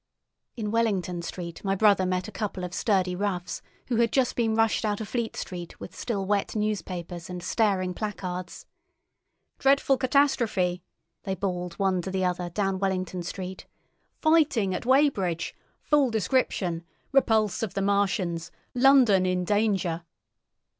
In Wellington Street my brother met a couple of sturdy roughs who had just been rushed out of Fleet Street with still wet newspapers and staring placards. "Dreadful catastrophe!" they bawled one to the other down Wellington Street. "Fighting at Weybridge! Full description! Repulse of the Martians! London in Danger!"